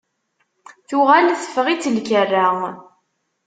Tuɣal teffeɣ-itt lkerra.